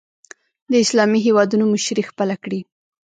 د اسلامي هېوادونو مشري خپله کړي